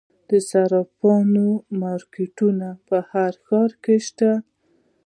د صرافانو مارکیټونه په هر ښار کې شته